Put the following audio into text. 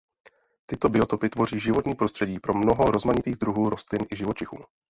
Tyto biotopy tvoří životní prostředí pro mnoho rozmanitých druhů rostlin i živočichů.